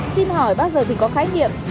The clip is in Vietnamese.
xin hỏi bao giờ thì có khái niệm